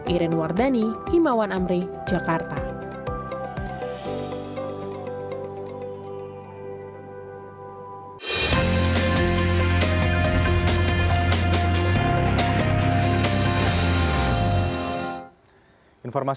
iren wardani himawan amri jakarta